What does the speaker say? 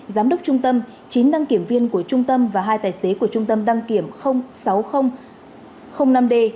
giám đốc trung tâm chín đăng kiểm viên của trung tâm và hai tài xế của trung tâm đăng kiểm sáu nghìn năm d